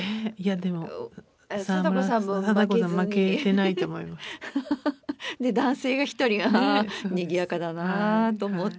で男性が１人あぁにぎやかだなあと思って。